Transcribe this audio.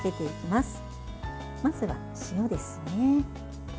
まずは、塩ですね。